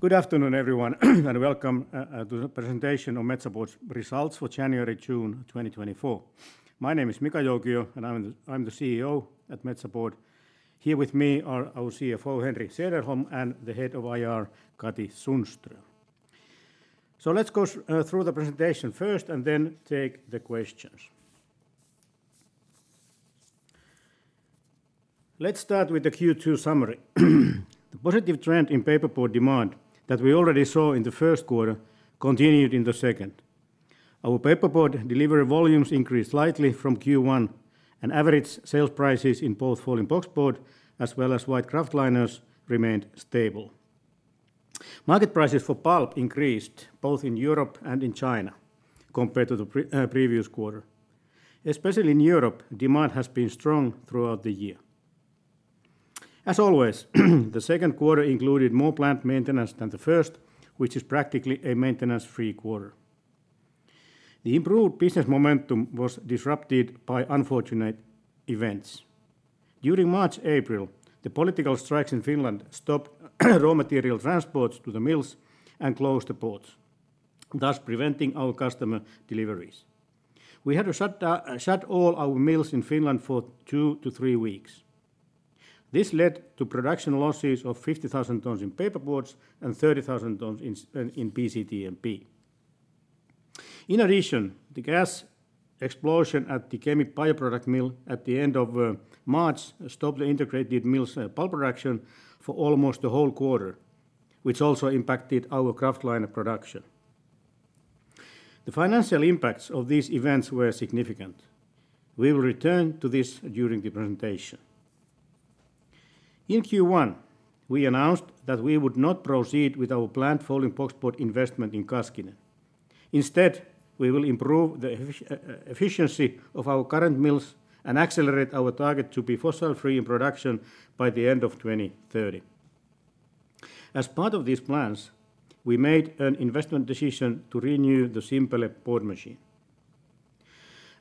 Good afternoon, everyone, and welcome to the presentation on Metsä Board's results for January/June 2024. My name is Mika Joukio, and I'm the CEO at Metsä Board. Here with me are our CFO, Henri Sederholm, and the Head of IR, Katri Sundström. So let's go through the presentation first and then take the questions. Let's start with the Q2 summary. The positive trend in paperboard demand that we already saw in the first quarter continued in the second. Our paperboard delivery volumes increased slightly from Q1, and average sales prices in both folding boxboard as well as white kraftliners remained stable. Market prices for pulp increased both in Europe and in China compared to the previous quarter. Especially in Europe, demand has been strong throughout the year. As always, the second quarter included more plant maintenance than the first, which is practically a maintenance-free quarter. The improved business momentum was disrupted by unfortunate events. During March-April, the political strikes in Finland stopped raw material transport to the mills and closed the ports, thus preventing our customer deliveries. We had to shut all our mills in Finland for two to three weeks. This led to production losses of 50,000 tons in paperboards and 30,000 tons in BCTMP. In addition, the gas explosion at the Kemi bioproduct mill at the end of March stopped the integrated mill's pulp production for almost the whole quarter, which also impacted our kraftliner production. The financial impacts of these events were significant. We will return to this during the presentation. In Q1, we announced that we would not proceed with our planned folding boxboard investment in Kaskinen. Instead, we will improve the efficiency of our current mills and accelerate our target to be fossil-free in production by the end of 2030. As part of these plans, we made an investment decision to renew the Simpele board machine.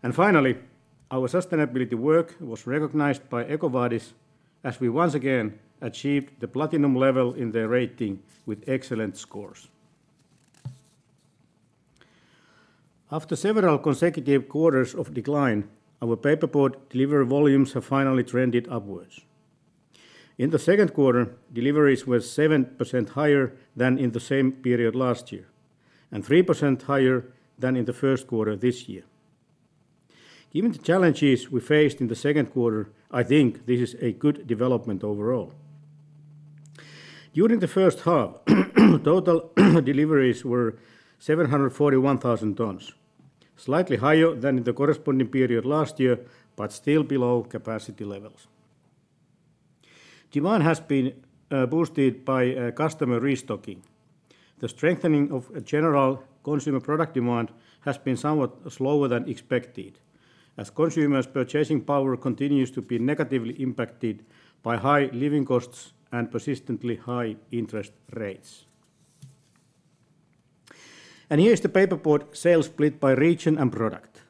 And finally, our sustainability work was recognized by EcoVadis as we once again achieved the platinum level in the rating with excellent scores. After several consecutive quarters of decline, our paperboard delivery volumes have finally trended upwards. In the second quarter, deliveries were 7% higher than in the same period last year and 3% higher than in the first quarter this year. Given the challenges we faced in the second quarter, I think this is a good development overall. During the first half, total deliveries were 741,000 tons, slightly higher than in the corresponding period last year, but still below capacity levels. Demand has been boosted by customer restocking. The strengthening of general consumer product demand has been somewhat slower than expected, as consumers' purchasing power continues to be negatively impacted by high living costs and persistently high interest rates. Here is the paperboard sales split by region and product.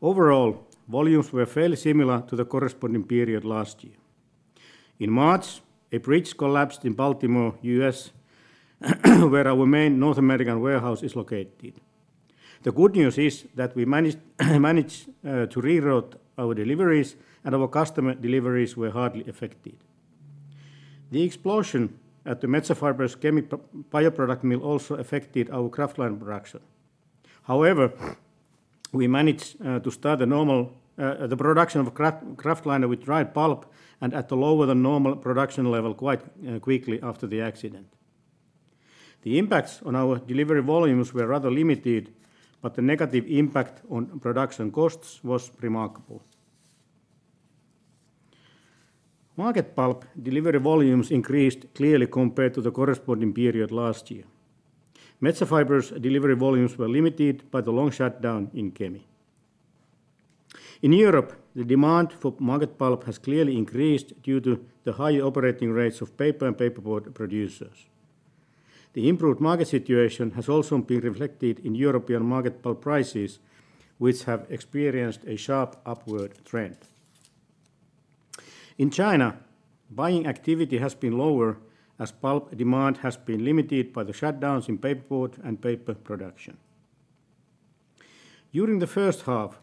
Overall, volumes were fairly similar to the corresponding period last year. In March, a bridge collapsed in Baltimore, U.S., where our main North American warehouse is located. The good news is that we managed to reroute our deliveries, and our customer deliveries were hardly affected. The explosion at the Metsä Fibre's Kemi bioproduct mill also affected our kraftliner production. However, we managed to start the production of kraftliner with dried pulp and at a lower than normal production level quite quickly after the accident. The impacts on our delivery volumes were rather limited, but the negative impact on production costs was remarkable. Market pulp delivery volumes increased clearly compared to the corresponding period last year. Metsä Fibre's delivery volumes were limited by the long shutdown in Kemi. In Europe, the demand for market pulp has clearly increased due to the higher operating rates of paper and paperboard producers. The improved market situation has also been reflected in European market pulp prices, which have experienced a sharp upward trend. In China, buying activity has been lower as pulp demand has been limited by the shutdowns in paperboard and paper production. During the first half,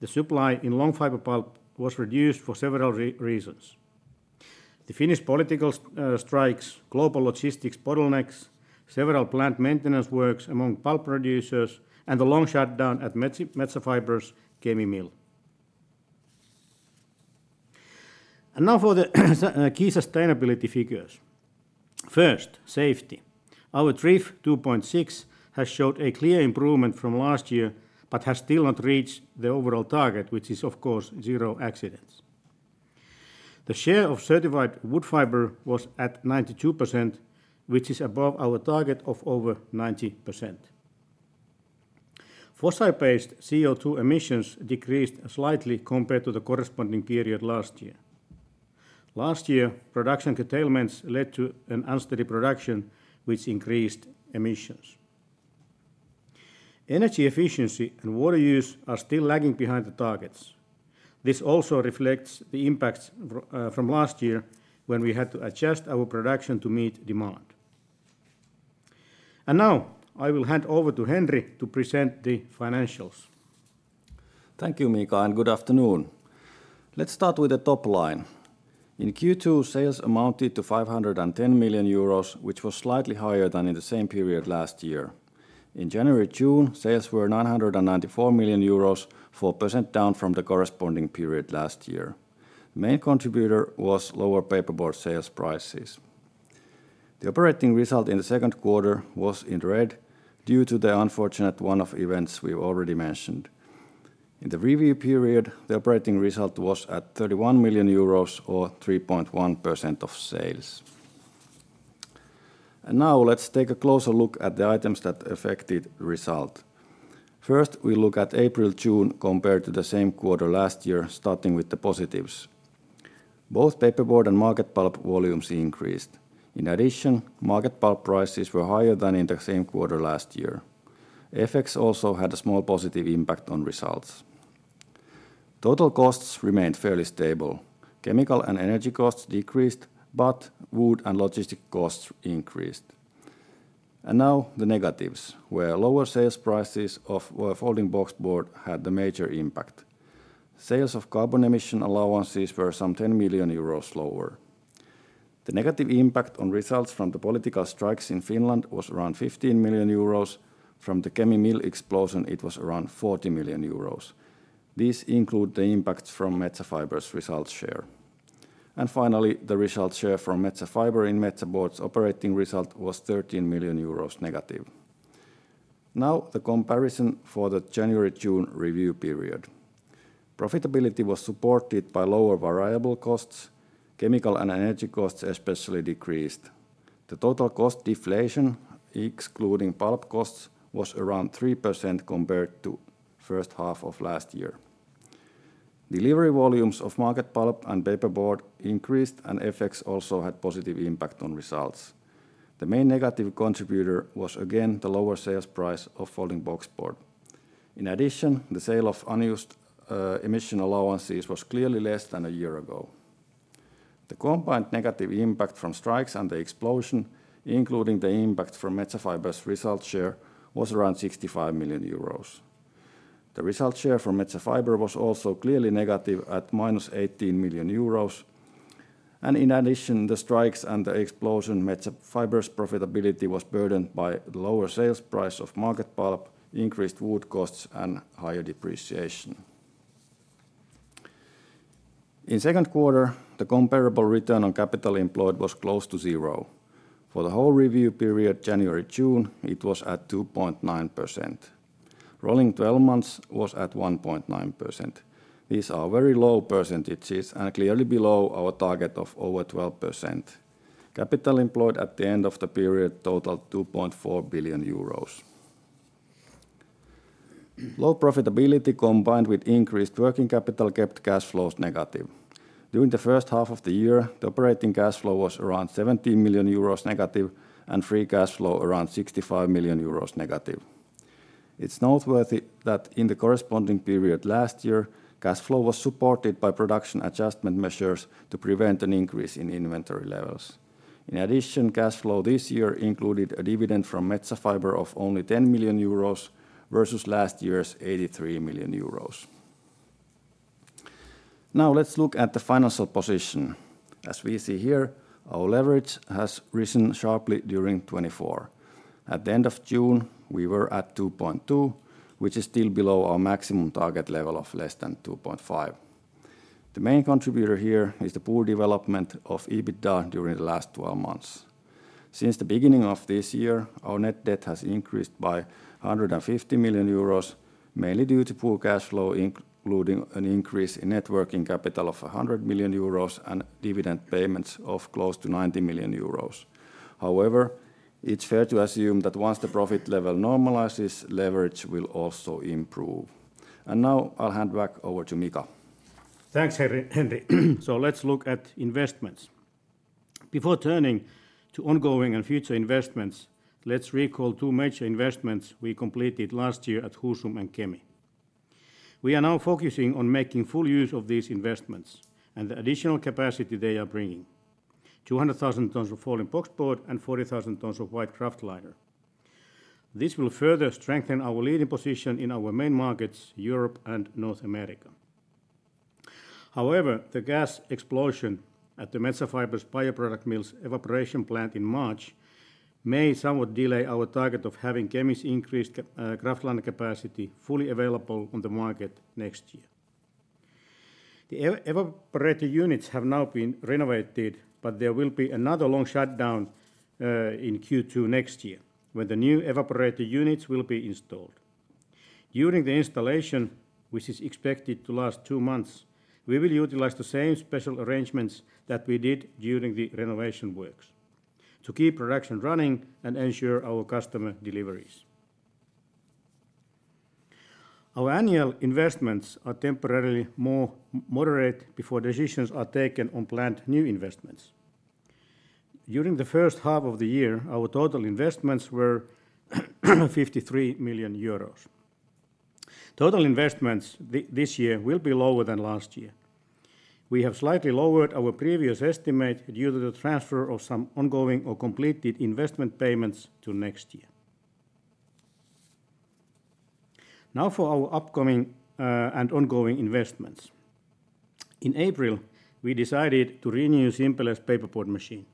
the supply in long fiber pulp was reduced for several reasons. The Finnish political strikes, global logistics bottlenecks, several plant maintenance works among pulp producers, and the long shutdown at Metsä Fibre Kemi mill. And now for the key sustainability figures. First, safety. Our TRIF 2.6 has showed a clear improvement from last year, but has still not reached the overall target, which is, of course, zero accidents. The share of certified wood fiber was at 92%, which is above our target of over 90%. Fossil-based CO2 emissions decreased slightly compared to the corresponding period last year. Last year, production curtailments led to an unsteady production, which increased emissions. Energy efficiency and water use are still lagging behind the targets. This also reflects the impacts from last year when we had to adjust our production to meet demand. Now I will hand over to Henri to present the financials. Thank you, Mika, and good afternoon. Let's start with the top line. In Q2, sales amounted to 510 million euros, which was slightly higher than in the same period last year. In January/June, sales were 994 million euros, 4% down from the corresponding period last year. The main contributor was lower paperboard sales prices. The operating result in the second quarter was in red due to the unfortunate one-off events we've already mentioned. In the review period, the operating result was at 31 million euros, or 3.1% of sales. And now let's take a closer look at the items that affected the result. First, we look at April/June compared to the same quarter last year, starting with the positives. Both paperboard and market pulp volumes increased. In addition, market pulp prices were higher than in the same quarter last year. FX also had a small positive impact on results. Total costs remained fairly stable. Chemical and energy costs decreased, but wood and logistics costs increased. And now the negatives, where lower sales prices of folding boxboard had the major impact. Sales of carbon emission allowances were some 10 million euros lower. The negative impact on results from the political strikes in Finland was around 15 million euros. From the Kemi mill explosion, it was around 40 million euros. These include the impacts from Metsä Fibre's results share. And finally, the results share from Metsä Fibre in Metsä Board's operating result was 13 million euros negative. Now the comparison for the January-June review period. Profitability was supported by lower variable costs. Chemical and energy costs especially decreased. The total cost deflation, excluding pulp costs, was around 3% compared to the first half of last year. Delivery volumes of market pulp and paperboard increased, and FX also had a positive impact on results. The main negative contributor was again the lower sales price of folding boxboard. In addition, the sale of unused emission allowances was clearly less than a year ago. The combined negative impact from strikes and the explosion, including the impact from Metsä Fibre's result share, was around 65 million euros. The result share for Metsä Fibre was also clearly negative at minus EUR 18 million. And in addition, the strikes and the explosion, Metsä Fibre's profitability was burdened by the lower sales price of market pulp, increased wood costs, and higher depreciation. In the second quarter, the comparable return on capital employed was close to zero. For the whole review period, January/June, it was at 2.9%. Rolling 12 months was at 1.9%. These are very low percentages and clearly below our target of over 12%. Capital employed at the end of the period totaled 2.4 billion euros. Low profitability combined with increased working capital kept cash flows negative. During the first half of the year, the operating cash flow was around 17 million euros negative and free cash flow around 65 million euros negative. It's noteworthy that in the corresponding period last year, cash flow was supported by production adjustment measures to prevent an increase in inventory levels. In addition, cash flow this year included a dividend from Metsä Fibre of only 10 million euros versus last year's 83 million euros. Now let's look at the financial position. As we see here, our leverage has risen sharply during 2024. At the end of June, we were at 2.2, which is still below our maximum target level of less than 2.5. The main contributor here is the poor development of EBITDA during the last 12 months. Since the beginning of this year, our net debt has increased by 150 million euros, mainly due to poor cash flow, including an increase in net working capital of 100 million euros and dividend payments of close to 90 million euros. However, it's fair to assume that once the profit level normalizes, leverage will also improve. Now I'll hand back over to Mika. Thanks, Henri. So let's look at investments. Before turning to ongoing and future investments, let's recall two major investments we completed last year at Husum and Kemi. We are now focusing on making full use of these investments and the additional capacity they are bringing: 200,000 tons of folding boxboard and 40,000 tons of white kraft liner. This will further strengthen our leading position in our main markets, Europe and North America. However, the gas explosion at the Metsä Fibre's bioproduct mill's evaporation plant in March may somewhat delay our target of having Kemi's increased kraft liner capacity fully available on the market next year. The evaporator units have now been renovated, but there will be another long shutdown in Q2 next year when the new evaporator units will be installed. During the installation, which is expected to last 2 months, we will utilize the same special arrangements that we did during the renovation works to keep production running and ensure our customer deliveries. Our annual investments are temporarily more moderate before decisions are taken on planned new investments. During the first half of the year, our total investments were 53 million euros. Total investments this year will be lower than last year. We have slightly lowered our previous estimate due to the transfer of some ongoing or completed investment payments to next year. Now for our upcoming and ongoing investments. In April, we decided to renew Simpele's paperboard machine.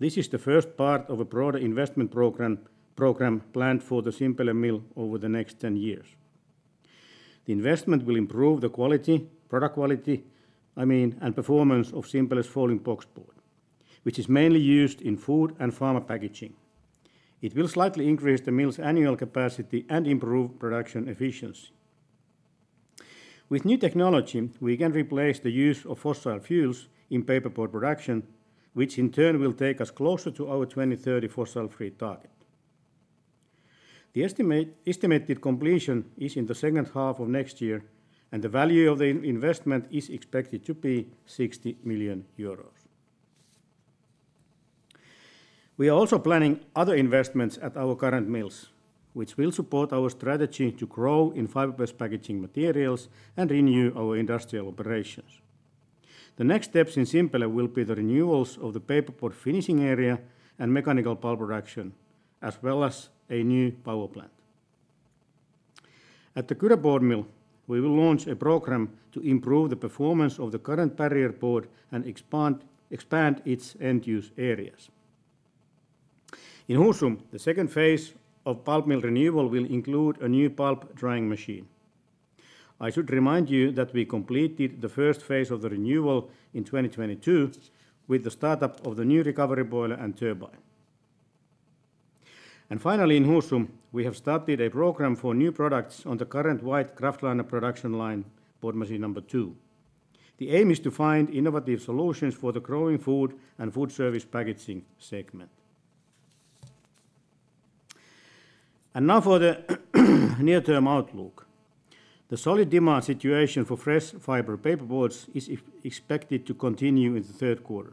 This is the first part of a broader investment program planned for the Simpele mill over the next 10 years. The investment will improve the product quality, I mean, and performance of Simpele's folding boxboard, which is mainly used in food and pharma packaging. It will slightly increase the mill's annual capacity and improve production efficiency. With new technology, we can replace the use of fossil fuels in paperboard production, which in turn will take us closer to our 2030 fossil-free target. The estimated completion is in the second half of next year, and the value of the investment is expected to be 60 million euros. We are also planning other investments at our current mills, which will support our strategy to grow in fiber-based packaging materials and renew our industrial operations. The next steps in Simpele will be the renewals of the paperboard finishing area and mechanical pulp production, as well as a new power plant. At the Kyrö Board Mill, we will launch a program to improve the performance of the current barrier board and expand its end-use areas. In Husum, the second phase of pulp mill renewal will include a new pulp drying machine. I should remind you that we completed the first phase of the renewal in 2022 with the startup of the new recovery boiler and turbine. Finally, in Husum, we have started a program for new products on the current white kraft liner production line, board machine number 2. The aim is to find innovative solutions for the growing food and food service packaging segment. Now for the near-term outlook. The solid demand situation for fresh fiber paperboards is expected to continue in the third quarter.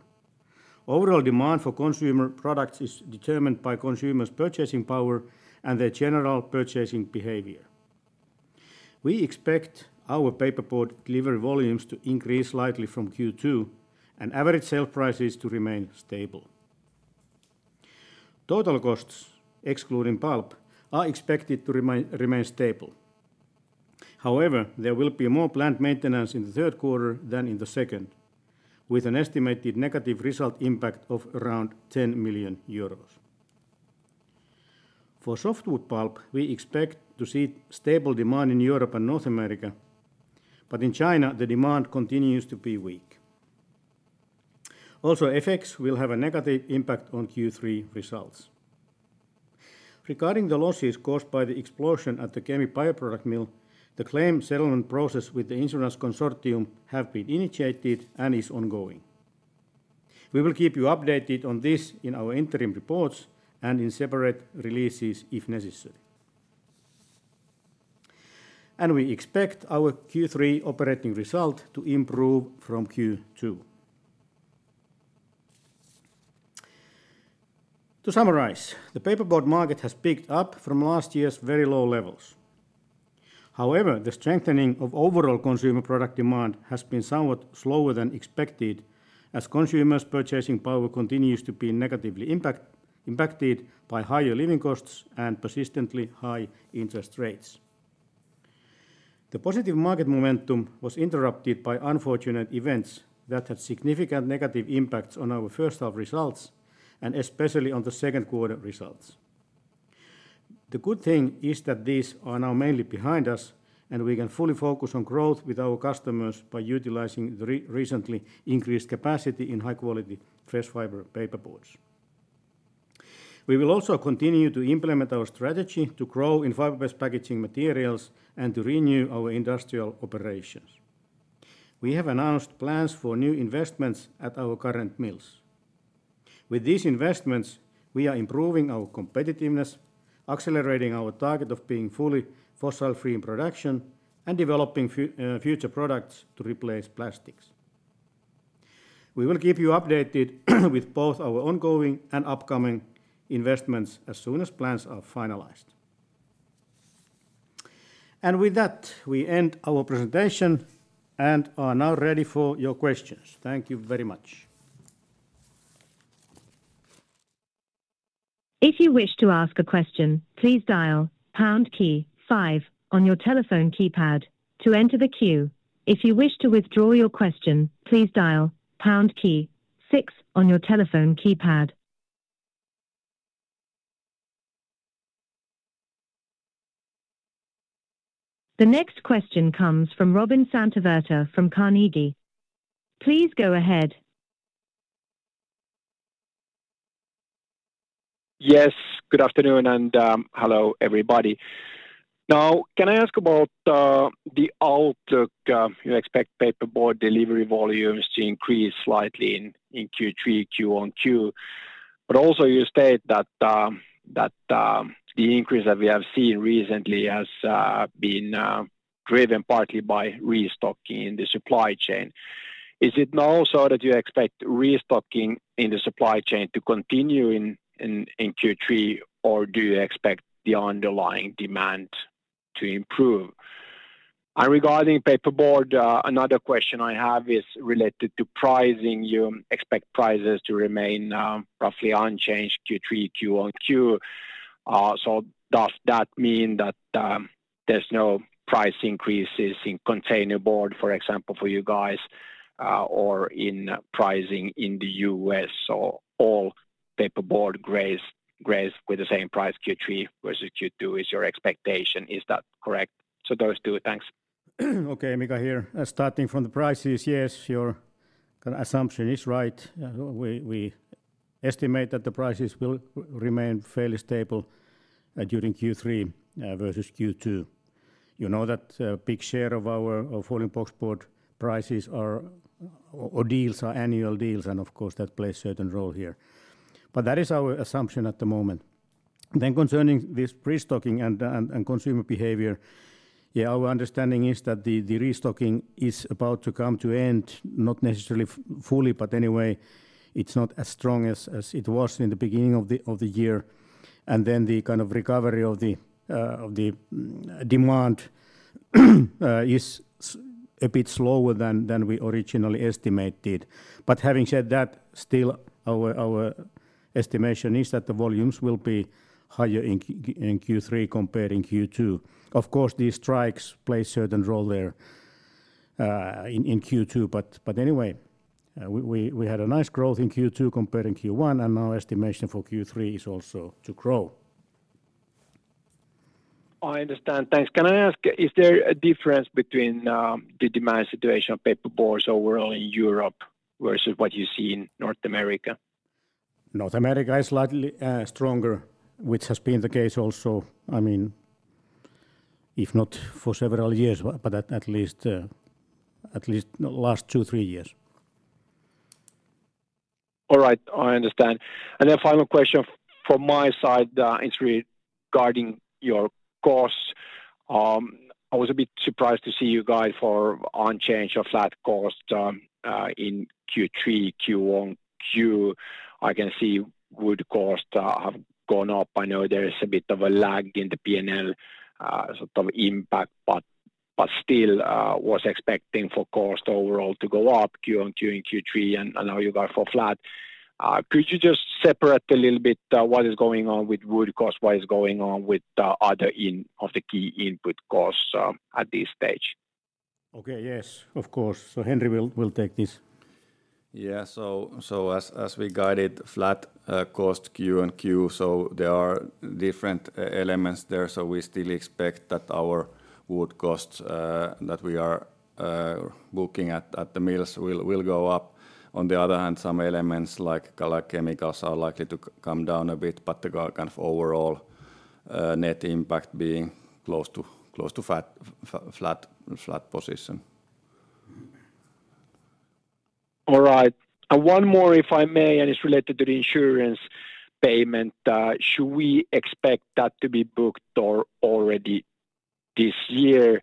Overall demand for consumer products is determined by consumers' purchasing power and their general purchasing behavior. We expect our paperboard delivery volumes to increase slightly from Q2 and average sale prices to remain stable. Total costs, excluding pulp, are expected to remain stable. However, there will be more plant maintenance in the third quarter than in the second, with an estimated negative result impact of around 10 million euros. For softwood pulp, we expect to see stable demand in Europe and North America, but in China, the demand continues to be weak. Also, FX will have a negative impact on Q3 results. Regarding the losses caused by the explosion at the Kemi bioproduct mill, the claim settlement process with the insurance consortium has been initiated and is ongoing. We will keep you updated on this in our interim reports and in separate releases if necessary. We expect our Q3 operating result to improve from Q2. To summarize, the paperboard market has picked up from last year's very low levels. However, the strengthening of overall consumer product demand has been somewhat slower than expected, as consumers' purchasing power continues to be negatively impacted by higher living costs and persistently high interest rates. The positive market momentum was interrupted by unfortunate events that had significant negative impacts on our first-half results and especially on the second quarter results. The good thing is that these are now mainly behind us, and we can fully focus on growth with our customers by utilizing the recently increased capacity in high-quality fresh fiber paperboards. We will also continue to implement our strategy to grow in fiber-based packaging materials and to renew our industrial operations. We have announced plans for new investments at our current mills. With these investments, we are improving our competitiveness, accelerating our target of being fully fossil-free in production, and developing future products to replace plastics. We will keep you updated with both our ongoing and upcoming investments as soon as plans are finalized. And with that, we end our presentation and are now ready for your questions. Thank you very much. If you wish to ask a question, please dial pound key five on your telephone keypad to enter the queue. If you wish to withdraw your question, please dial pound key six on your telephone keypad. The next question comes from Robin Santavirta from Carnegie. Please go ahead. Yes, good afternoon and hello everybody. Now, can I ask about the outlook? You expect paperboard delivery volumes to increase slightly in Q3, Q1, Q2. But also, you state that the increase that we have seen recently has been driven partly by restocking in the supply chain. Is it now so that you expect restocking in the supply chain to continue in Q3, or do you expect the underlying demand to improve? And regarding paperboard, another question I have is related to pricing. You expect prices to remain roughly unchanged Q3, QoQ. So does that mean that there's no price increases in container board, for example, for you guys, or in pricing in the U.S.? So all paperboard grays with the same price Q3 versus Q2 is your expectation. Is that correct? So those two, thanks. Okay, Mika, here. Starting from the prices, yes, your assumption is right. We estimate that the prices will remain fairly stable during Q3 versus Q2. You know that a big share of our folding boxboard prices or deals are annual deals, and of course, that plays a certain role here. But that is our assumption at the moment. Then concerning this restocking and consumer behavior, yeah, our understanding is that the restocking is about to come to an end, not necessarily fully, but anyway, it's not as strong as it was in the beginning of the year. And then the kind of recovery of the demand is a bit slower than we originally estimated. But having said that, still, our estimation is that the volumes will be higher in Q3 compared to Q2. Of course, these strikes play a certain role there in Q2, but anyway, we had a nice growth in Q2 compared to Q1, and our estimation for Q3 is also to grow. I understand, thanks. Can I ask, is there a difference between the demand situation of paperboards overall in Europe versus what you see in North America? North America is slightly stronger, which has been the case also, I mean, if not for several years, but at least the last two, three years. All right, I understand. Then final question from my side is regarding your costs. I was a bit surprised to see you guys for unchanged or flat costs in Q3, QoQ. I can see wood costs have gone up. I know there's a bit of a lag in the P&L sort of impact, but still, I was expecting for cost overall to go up QoQ, in Q3, and now you guys are flat. Could you just separate a little bit what is going on with wood costs, what is going on with other key input costs at this stage? Okay, yes, of course. So Henri will take this. Yeah, so as we guided, flat cost QoQ so there are different elements there. So we still expect that our wood costs that we are booking at the mills will go up. On the other hand, some elements like chemicals are likely to come down a bit, but the kind of overall net impact being close to flat position. All right. And one more, if I may, and it's related to the insurance payment. Should we expect that to be booked already this year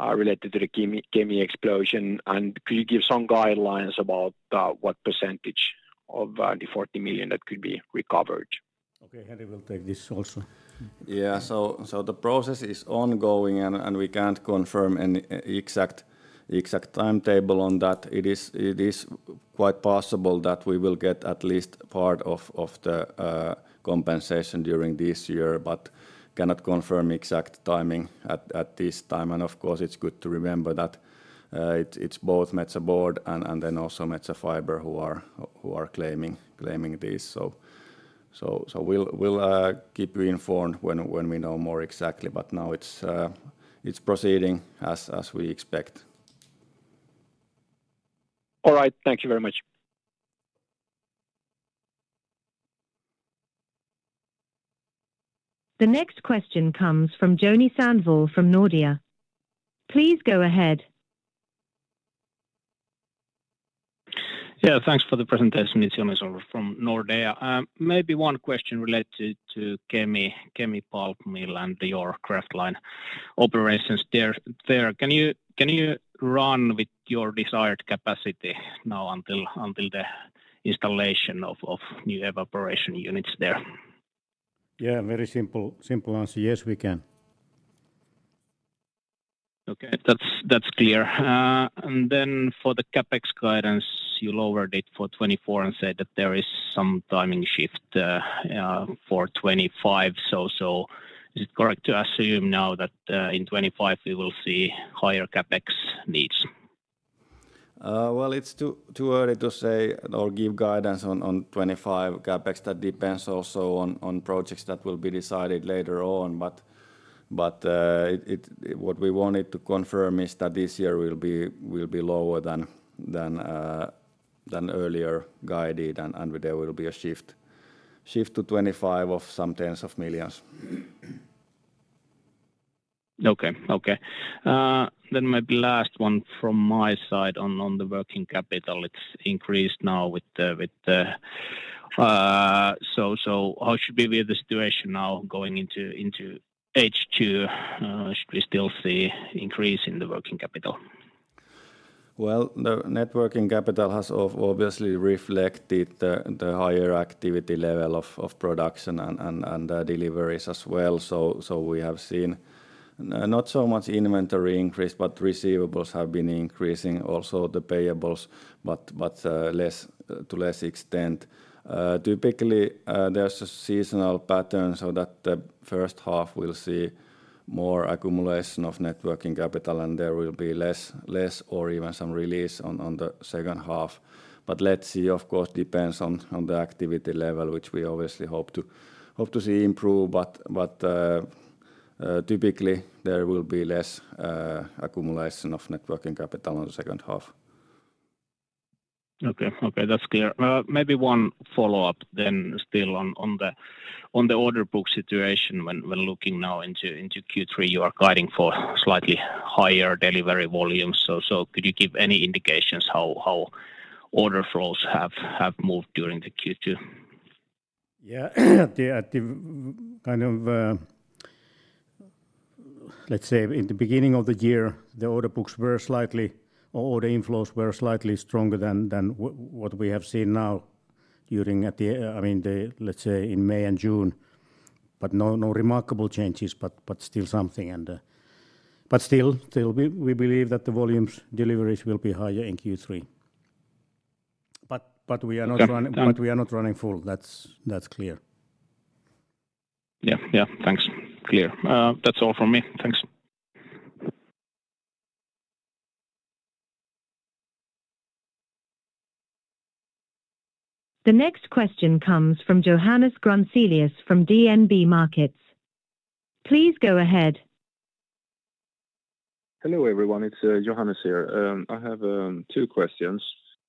related to the Kemi explosion? And could you give some guidelines about what percentage of the 40 million that could be recovered? Okay, Henri will take this also. Yeah, so the process is ongoing, and we can't confirm an exact timetable on that. It is quite possible that we will get at least part of the compensation during this year, but cannot confirm exact timing at this time. Of course, it's good to remember that it's both Metsä Board and then also Metsä Fibre who are claiming this. We'll keep you informed when we know more exactly, but now it's proceeding as we expect. All right, thank you very much. The next question comes from Joni Sandvall from Nordea. Please go ahead. Yeah, thanks for the presentation, Joni Sandvall from Nordea. Maybe one question related to Kemi pulp mill and your kraftliner operations there. Can you run with your desired capacity now until the installation of new evaporation units there? Yeah, very simple answer. Yes, we can. Okay, that's clear. And then for the CapEx guidance, you lowered it for 2024 and said that there is some timing shift for 2025. So is it correct to assume now that in 2025 we will see higher CapEx needs? Well, it's too early to say or give guidance on 2025 CapEx. That depends also on projects that will be decided later on. But what we wanted to confirm is that this year will be lower than earlier guided, and there will be a shift to 2025 of some tens of millions EUR. Okay, okay. Then maybe last one from my side on the working capital. It's increased now with the... So how should we view the situation now going into H2? Should we still see an increase in the working capital? Well, the net working capital has obviously reflected the higher activity level of production and deliveries as well. So we have seen not so much inventory increase, but receivables have been increasing, also the payables, but to less extent. Typically, there's a seasonal pattern so that the first half we'll see more accumulation of net working capital, and there will be less or even some release on the second half. But let's see, of course, depends on the activity level, which we obviously hope to see improve. But typically, there will be less accumulation of net working capital on the second half. Okay, okay, that's clear. Maybe one follow-up then still on the order book situation. When looking now into Q3, you are guiding for slightly higher delivery volumes. So could you give any indications how order flows have moved during the Q2? Yeah, at the kind of, let's say, in the beginning of the year, the order books were slightly, or order inflows were slightly stronger than what we have seen now during, I mean, let's say in May and June. But no remarkable changes, but still something. But still, we believe that the volume deliveries will be higher in Q3. But we are not running full. That's clear. Yeah, yeah, thanks. Clear. That's all from me. Thanks. The next question comes from Johannes Grunselius from DNB Markets. Please go ahead. Hello everyone, it's Johannes here. I have two questions.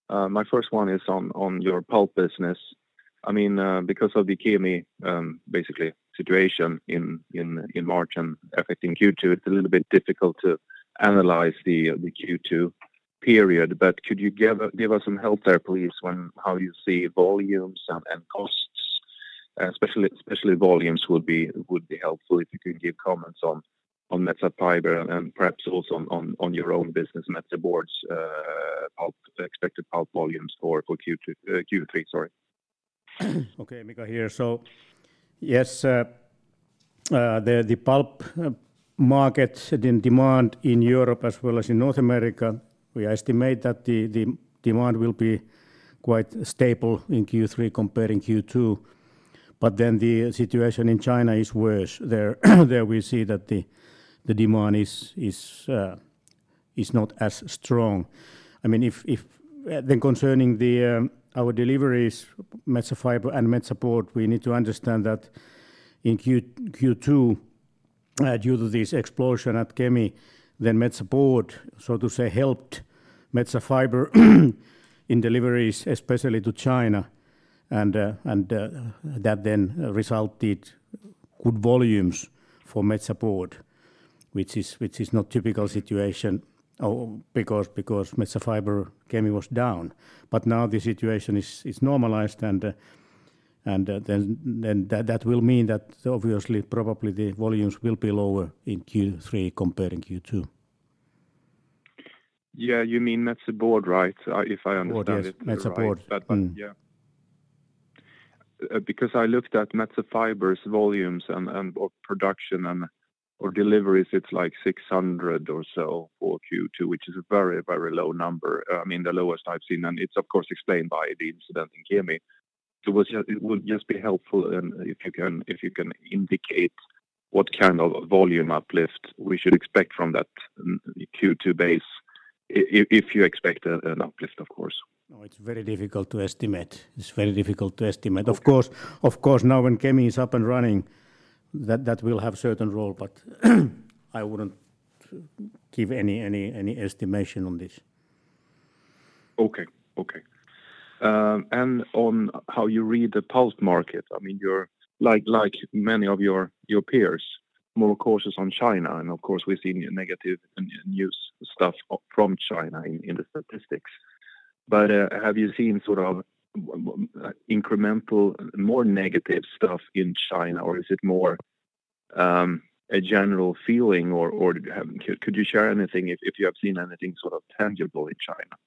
My first one is on your pulp business. I mean, because of the Kemi, basically, situation in March and affecting Q2, it's a little bit difficult to analyze the Q2 period. But could you give us some help there, please, on how you see volumes and costs? Especially volumes would be helpful if you could give comments on Metsä Fibre and perhaps also on your own business, Metsä Board's expected pulp volumes for Q3, sorry. Okay, Mika here. So yes, the pulp market and demand in Europe as well as in North America, we estimate that the demand will be quite stable in Q3 compared to Q2. But then the situation in China is worse. There we see that the demand is not as strong. I mean, then concerning our deliveries, Metsä Fibre and Metsä Board, we need to understand that in Q2, due to this explosion at Kemi, then Metsä Board, so to say, helped Metsä Fibre in deliveries, especially to China. And that then resulted in good volumes for Metsä Board, which is not a typical situation because Metsä Fibre, Kemi was down. But now the situation is normalized, and then that will mean that obviously, probably the volumes will be lower in Q3 compared to Q2. Yeah, you mean Metsä Board, right? If I understood it. Metsä Board. Yeah. Because I looked at Metsä Fibre's volumes and production and deliveries, it's like 600 or so for Q2, which is a very, very low number. I mean, the lowest I've seen, and it's of course explained by the incident in Kemi. It would just be helpful if you can indicate what kind of volume uplift we should expect from that Q2 base if you expect an uplift, of course. It's very difficult to estimate. It's very difficult to estimate. Of course, now when Kemi is up and running, that will have a certain role, but I wouldn't give any estimation on this. Okay, okay. And on how you read the pulp market, I mean, like many of your peers, more cautious on China, and of course we've seen negative news stuff from China in the statistics. But have you seen sort of incremental, more negative stuff in China, or is it more a general feeling, or could you share anything if you have seen anything sort of tangible in China?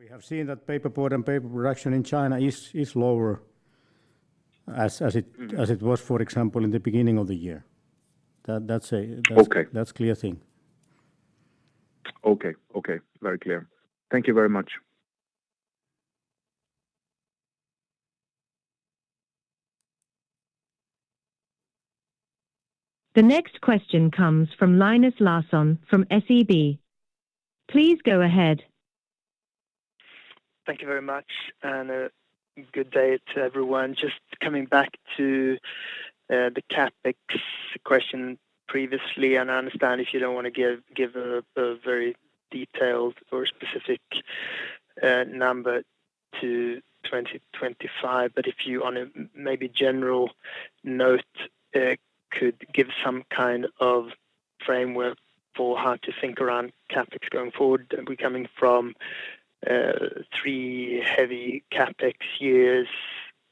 We have seen that paperboard and paper production in China is lower as it was, for example, in the beginning of the year. That's a clear thing. Okay, okay, very clear. Thank you very much. The next question comes from Linus Larsson from SEB. Please go ahead. Thank you very much. Good day to everyone. Just coming back to the CapEx question previously, and I understand if you don't want to give a very detailed or specific number to 2025, but if you on a maybe general note could give some kind of framework for how to think around CapEx going forward. We're coming from 3 heavy CapEx years,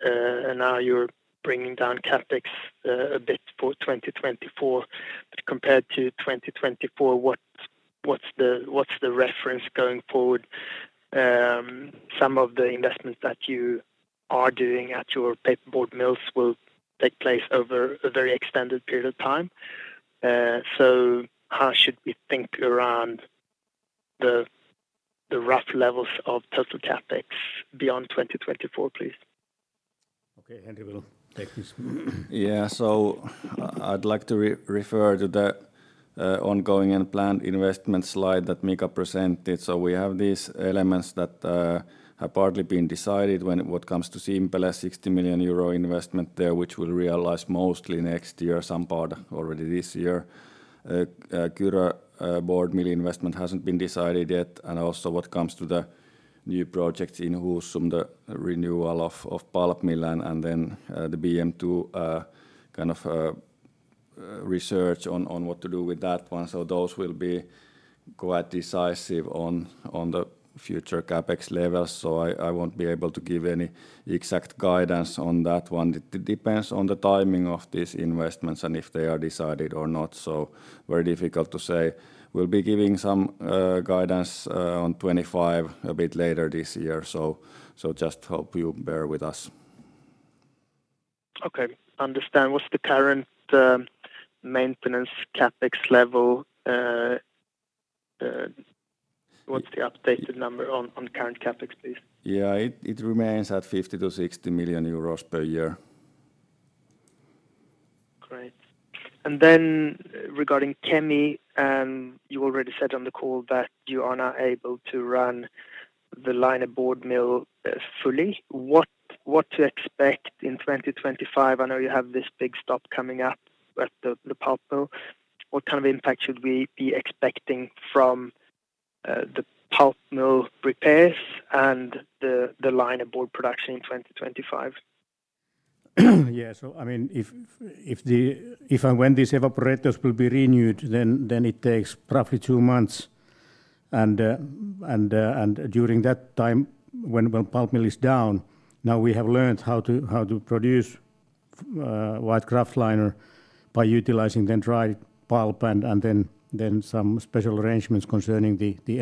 and now you're bringing down CapEx a bit for 2024. Compared to 2024, what's the reference going forward? Some of the investments that you are doing at your paperboard mills will take place over a very extended period of time. So how should we think around the rough levels of total CapEx beyond 2024, please? Okay, Henri will take this. Yeah, so I'd like to refer to the ongoing and planned investment slide that Mika presented. So we have these elements that have partly been decided when it comes to Simpele as 60 million euro investment there, which will realize mostly next year, some part already this year. Kyrö Board Mill investment hasn't been decided yet. And also what comes to the new projects in Husum, the renewal of pulp mill, and then the BM2 kind of research on what to do with that one. So those will be quite decisive on the future CapEx levels. So I won't be able to give any exact guidance on that one. It depends on the timing of these investments and if they are decided or not. So very difficult to say. We'll be giving some guidance on 2025 a bit later this year. So just hope you bear with us. Okay, understand. What's the current maintenance CapEx level? What's the updated number on current CapEx, please? Yeah, it remains at 50 million-60 million euros per year. Great. And then regarding Kemi, you already said on the call that you are now able to run the linerboard mill fully. What to expect in 2025? I know you have this big stop coming up at the pulp mill. What kind of impact should we be expecting from the pulp mill repairs and the linerboard production in 2025? Yeah, so I mean, if and when these evaporators will be renewed, then it takes roughly two months. And during that time, when pulp mill is down, now we have learned how to produce white kraft liner by utilizing the dry pulp and then some special arrangements concerning the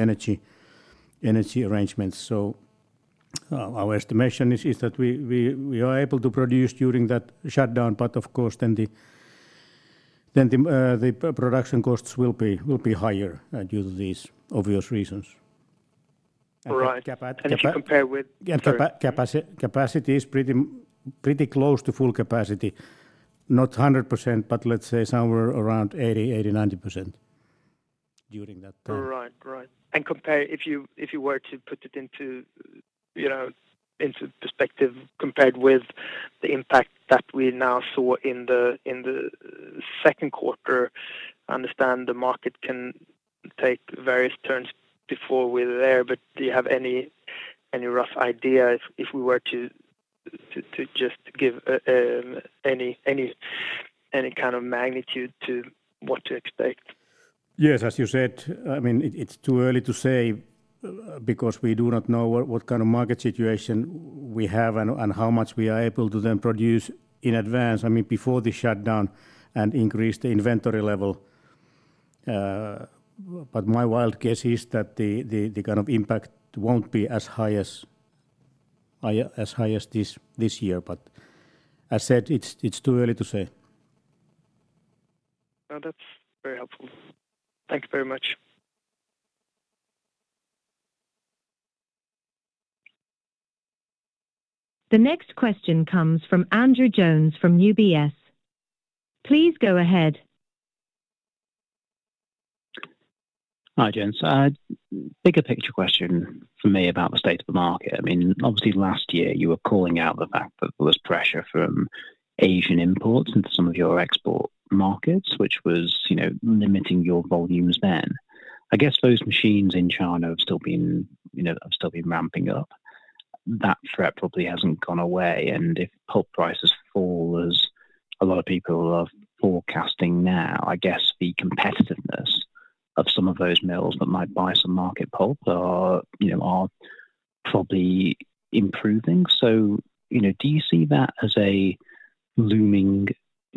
energy arrangements. So our estimation is that we are able to produce during that shutdown, but of course then the production costs will be higher due to these obvious reasons. Right. And if you compare with. Capacity is pretty close to full capacity. Not 100%, but let's say somewhere around 80, 80, 90% during that time. Right, right. And if you were to put it into perspective compared with the impact that we now saw in the second quarter, I understand the market can take various turns before we're there, but do you have any rough idea if we were to just give any kind of magnitude to what to expect? Yes, as you said, I mean, it's too early to say because we do not know what kind of market situation we have and how much we are able to then produce in advance, I mean, before the shutdown and increase the inventory level. But my wild guess is that the kind of impact won't be as high as this year. But as said, it's too early to say. No, that's very helpful. Thank you very much. The next question comes from Andrew Jones from UBS. Please go ahead. Hi, James. Bigger picture question for me about the state of the market. I mean, obviously last year you were calling out the fact that there was pressure from Asian imports into some of your export markets, which was limiting your volumes then. I guess those machines in China have still been ramping up. That threat probably hasn't gone away. And if pulp prices fall as a lot of people are forecasting now, I guess the competitiveness of some of those mills that might buy some market pulp are probably improving. So do you see that as a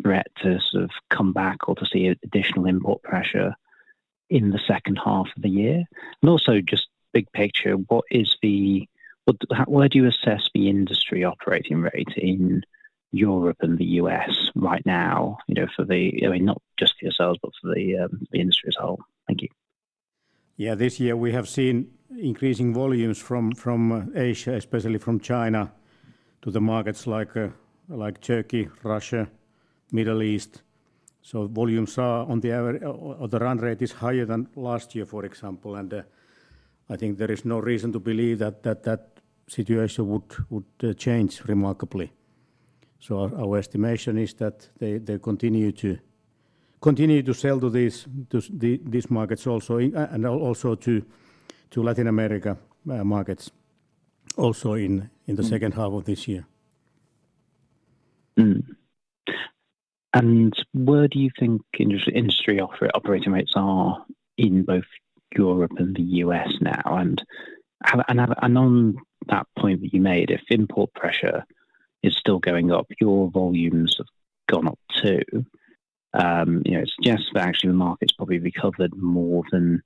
looming threat to sort of come back or to see additional import pressure in the second half of the year? Also, just big picture, what do you assess the industry operating rate in Europe and the U.S. right now for the—I mean, not just for yourselves, but for the industry as a whole? Thank you. Yeah, this year we have seen increasing volumes from Asia, especially from China to the markets like Turkey, Russia, Middle East. So volumes are on the run rate is higher than last year, for example. And I think there is no reason to believe that that situation would change remarkably. So our estimation is that they continue to sell to these markets also and also to Latin America markets also in the second half of this year. Where do you think industry operating rates are in both Europe and the U.S. now? On that point that you made, if import pressure is still going up, your volumes have gone up too. It suggests that actually the market's probably recovered more than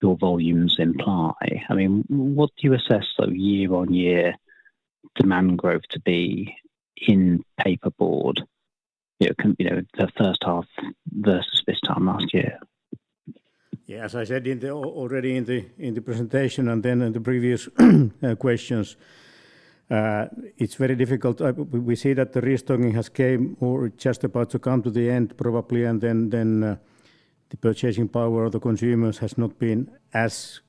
your volumes imply. I mean, what do you assess the year-on-year demand growth to be in paperboard, the first half versus this time last year? Yeah, as I said already in the presentation and then in the previous questions, it's very difficult. We see that the restocking has come or just about to come to the end probably, and then the purchasing power of the consumers has not been as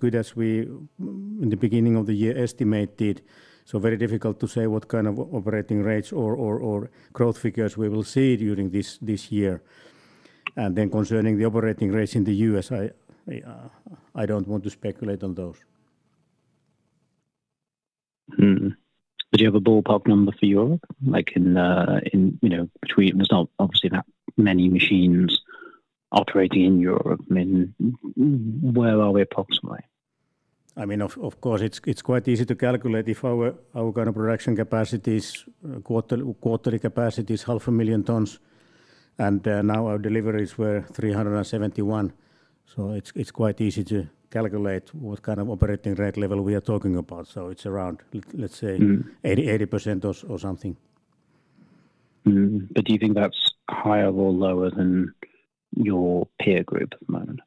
good as we in the beginning of the year estimated. So very difficult to say what kind of operating rates or growth figures we will see during this year. And then concerning the operating rates in the U.S., I don't want to speculate on those. Do you have a ballpark number for Europe? Like, between, there's not obviously that many machines operating in Europe. I mean, where are we approximately? I mean, of course it's quite easy to calculate if our kind of production capacity quarterly capacity is 500,000 tons. Now our deliveries were 371. So it's quite easy to calculate what kind of operating rate level we are talking about. It's around, let's say, 80% or something. Do you think that's higher or lower than your peer group at the moment?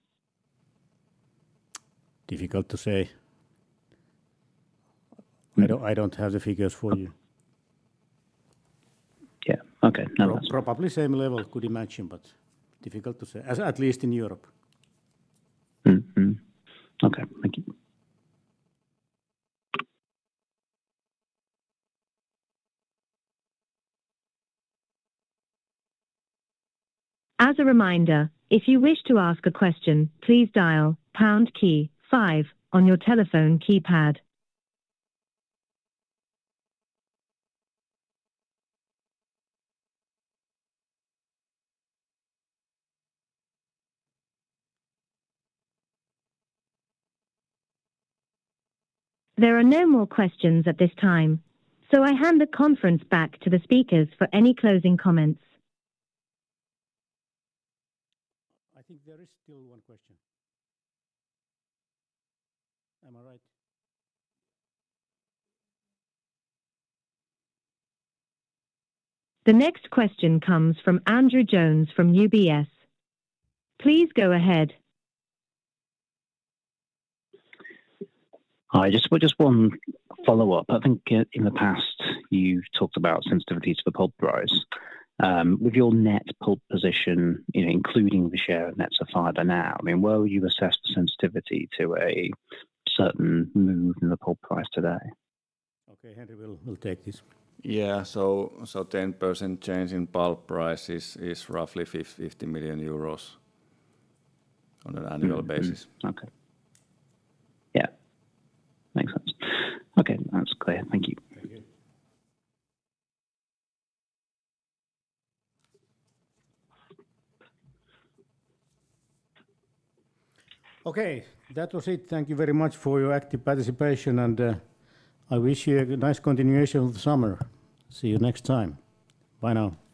Difficult to say. I don't have the figures for you. Yeah, okay. Probably same level, could imagine, but difficult to say, at least in Europe. Okay, thank you. As a reminder, if you wish to ask a question, please dial pound key five on your telephone keypad. There are no more questions at this time, so I hand the conference back to the speakers for any closing comments. I think there is still one question. Am I right? The next question comes from Andrew Jones from UBS. Please go ahead. Hi, just one follow-up. I think in the past you've talked about sensitivity to the pulp price. With your net pulp position, including the share of Metsä Fibre by now, I mean, where would you assess the sensitivity to a certain move in the pulp price today? Okay, Henri will take this. Yeah, so 10% change in pulp price is roughly 50 million euros on an annual basis. Okay. Yeah, makes sense. Okay, that's clear. Thank you. Okay, that was it. Thank you very much for your active participation, and I wish you a nice continuation of the summer. See you next time. Bye now.